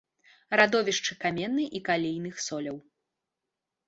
Радовішчы каменнай і калійных соляў.